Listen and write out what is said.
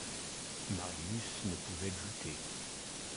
Marius ne pouvait douter.